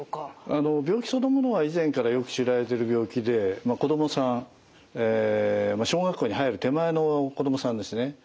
あの病気そのものは以前からよく知られている病気で子どもさんえ小学校に入る手前の子どもさんですね。